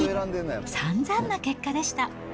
さんざんな結果でした。